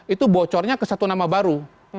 itu bocornya ke satu nama baru